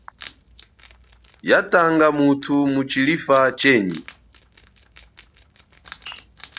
Ya tanga muthu mutshilifa chenyi.